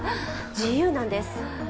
自由なんです。